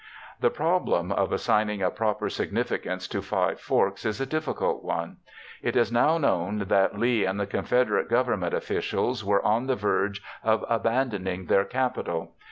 The problem of assigning a proper significance to Five Forks is a difficult one. It is now known that Lee and the Confederate government officials were on the verge of abandoning their capital.